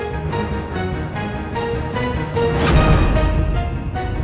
siapa khususnya aku bandara sendiri